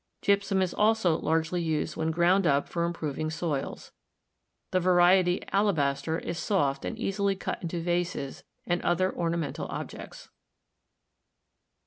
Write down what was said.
Gypsum is also largely used when ground up for improving soils. The variety alabaster is soft and easily cut into vases and other ornamental objects.